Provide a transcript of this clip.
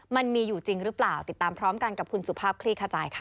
มันมีอยู่จริงหรือเปล่าติดตามพร้อมกันกับคุณสุภาพคลี่ขจายค่ะ